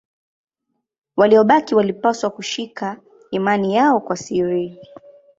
Waliobaki walipaswa kushika imani yao kwa siri.